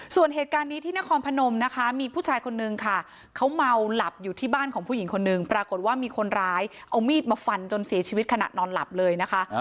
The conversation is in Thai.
ส่วนเหตุการณ์นี้ที่นครพนมนะคะมีผู้ชายคนนึงค่ะเขาเมาหลับอยู่ที่บ้านของผู้หญิงคนนึงปรากฏว่ามีคนร้ายเอามีดมาฟันจนเสียชีวิตขณะนอนหลับเลยนะคะ